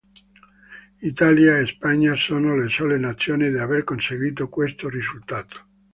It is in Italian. Italia e Spagna sono le sole nazioni ad aver conseguito questo risultato.